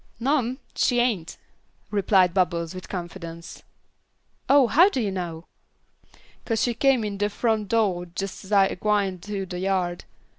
"No 'm, she ain't," replied Bubbles, with confidence. "Oh, how do you know?" "'Cause she come in de front do' jis' as I was gwine th'ough de yard.